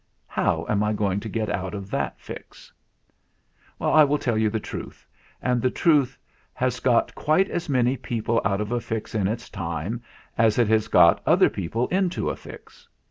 How am I going to get out of that fix ? I will tell you the truth, and the truth has got quite as many people out of a fix in its time as it has got other people into a fix.